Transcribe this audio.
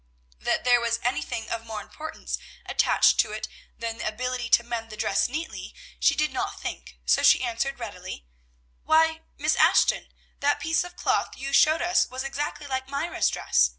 That there was anything of more importance attached to it than the ability to mend the dress neatly, she did not think, so she answered readily, "Why, Miss Ashton, that piece of cloth you showed us was exactly like Myra's dress.